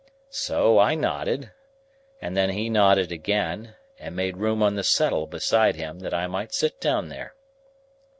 So, I nodded, and then he nodded again, and made room on the settle beside him that I might sit down there.